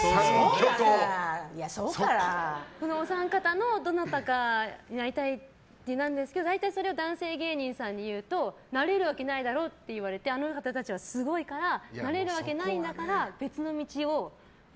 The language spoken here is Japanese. そのお三方のどなたかになりたいって言うんですけど大体それを男性芸人さんに言うとなれるわけないだろって言われてあの方たちはすごいからなれるわけないんだから誰？